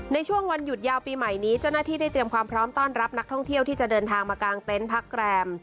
ในช่วงวันหยุดยาวปีใหม่นี้เจ้าหน้าที่ได้เตรียมความพร้อมต้อนรับนักท่องเที่ยวที่จะเดินทางมากางเต็นต์พักแรม